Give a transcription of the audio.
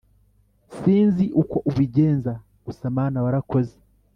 Sinzi uko ubigenza gusa mana warakoze